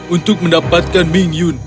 untuk mendapatkan ming yun